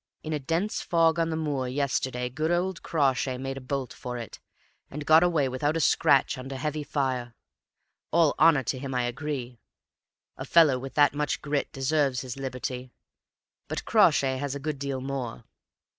In a dense fog on the moor yesterday good old Crawshay made a bolt for it, and got away without a scratch under heavy fire. All honor to him, I agree; a fellow with that much grit deserves his liberty. But Crawshay has a good deal more.